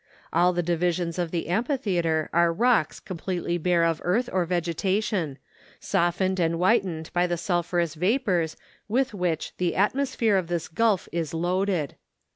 All the divisions of the amphitheatre are rocks com¬ pletely bare of earth or vegetation, softened and whitened by the sulphurous vapours with which the atmosphere of this gulf is loaded.